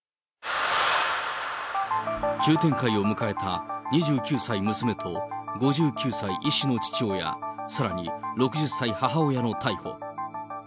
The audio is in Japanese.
急展開を迎えた２９歳娘と５９歳医師の父親、さらに６０歳、母親の逮捕。